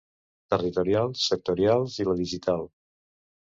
Territorials, Sectorials i la Digital.